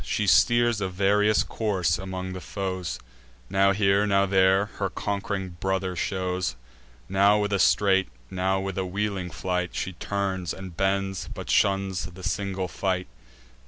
She steers a various course among the foes; Now here, now there, her conqu'ring brother shows; Now with a straight, now with a wheeling flight, She turns, and bends, but shuns the single fight.